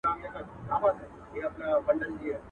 o د اوبو نه کوچ اوباسي.